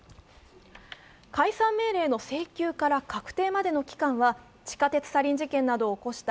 解散命令の請求から確定までの期間は地下鉄サリン事件を起こした